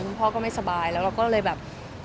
คุณพ่อก็ไม่สบายแล้วเราก็เลยแบบ